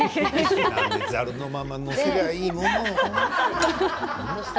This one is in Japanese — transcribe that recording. ざるのまま載せればいいものを。